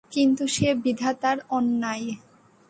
কিন্তু সে বিধাতার অন্যায়।